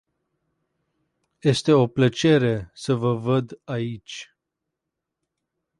Este o plăcere să vă văd aici.